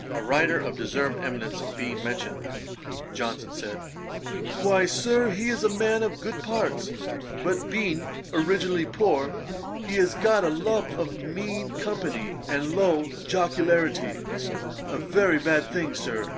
] A writer of deserved eminence being mentioned, Johnson said, 'Why, Sir, he is a man of good parts, but being originally poor, he has got a love of mean company and low jocularity; a very bad thing, Sir.